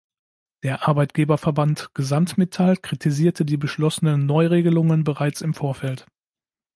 Der Arbeitgeberverband Gesamtmetall kritisierte die beschlossenen Neuregelungen bereits im Vorfeld.